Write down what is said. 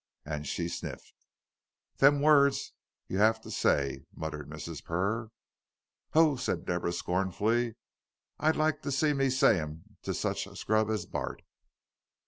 And she sniffed. "Them words you 'ave t' saiy," mumbled Mrs. Purr. "Ho," said Deborah, scornfully, "I'd like to see me say 'em to sich a scrub as Bart."